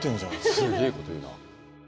すげえこと言うな。